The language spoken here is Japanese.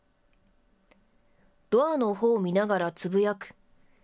ドアのほうを見ながらつぶやく。